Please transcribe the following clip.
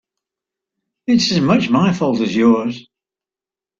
It's as much my fault as yours.